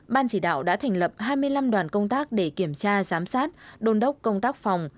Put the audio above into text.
ban chỉ đạo đã thành lập hai mươi năm đoàn công tác để kiểm tra giám sát đôn đốc công tác phòng